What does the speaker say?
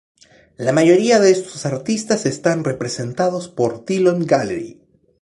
La mayoría de estos artistas están representados por Dillon Gallery.